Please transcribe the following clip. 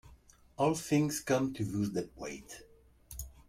All things come to those that wait.